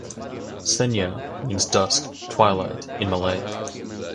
Senja means "dusk, twilight" in Malay.